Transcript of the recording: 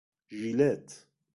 ژیلت